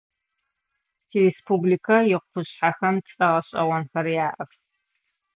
Тиреспубликэ икъушъхьэхэм цӏэ гъэшӏэгъонхэр яӏэх.